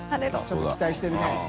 ちょっと期待してるね。